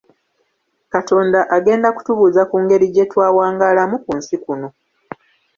Katonda agenda kutubuuza ku ngeri gye twawangaalamu ku nsi kuno.